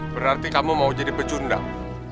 berarti kamu mau jadi pecundang